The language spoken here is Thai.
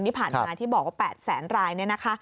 ที่ผ่านมาที่บอกว่า๘๐๐๐๐๐๐ราย